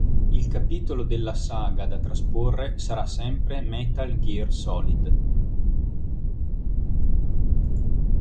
Il capitolo della saga da trasporre sarà sempre "Metal Gear Solid".